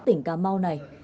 tỉnh cà mau này